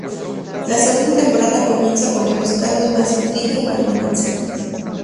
La segunda temporada comienza con nuevos casos, más intriga y más romance.